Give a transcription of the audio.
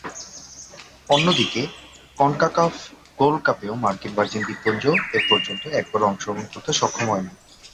অন্যদিকে, CONCACAF Gold কাপেও মার্কিন ভার্জিন দ্বীপপুঞ্জ এপর্যন্ত একবারও অংশগ্রহণ করতে সক্ষম হয়নি।